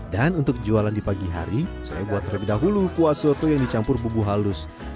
dan untuk jualan di pagi hari saya buat terlebih dahulu puas soto yang dicampur bubuk halus dan air